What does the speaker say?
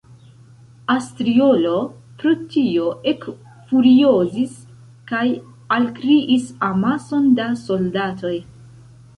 Astriolo pro tio ekfuriozis kaj alkriis amason da soldatoj.